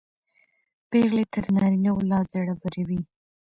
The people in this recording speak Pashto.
پېغلې تر نارینه و لا زړورې وې.